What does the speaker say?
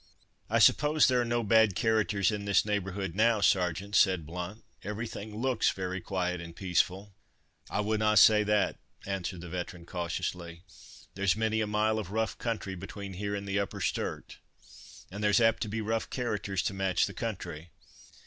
"I suppose there are no bad characters in this neighbourhood now, Sergeant?" said Blount. "Everything looks very quiet and peaceful." "I wouldna say that," answered the veteran, cautiously. "There's many a mile of rough country, between here and the Upper Sturt, and there's apt to be rough characters to match the country.